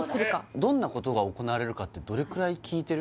どんなことが行われるかってどれくらい聞いてる？